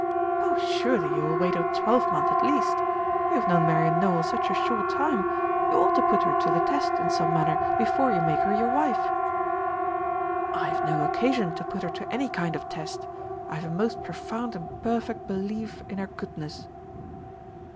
"O, surely you will wait a twelvemonth, at least. You have known Marian Nowell such a short time. You ought to put her to the test in some manner before you make her your wife." "I have no occasion to put her to any kind of test. I have a most profound and perfect belief in her goodness."